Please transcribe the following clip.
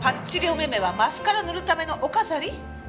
お目目はマスカラ塗るためのお飾り？